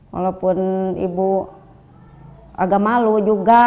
walaupun ibu agak malu juga